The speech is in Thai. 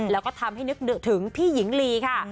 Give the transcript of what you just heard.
แล้วก็ทำให้นึกถึงพี่หญิงลีค่ะ